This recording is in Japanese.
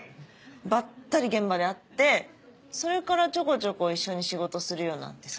バッタリ現場で会ってそれからちょこちょこ一緒に仕事するようになってさ。